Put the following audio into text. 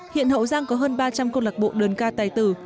hiện hậu giang có hơn ba trăm linh câu lạc bộ đơn ca tài tử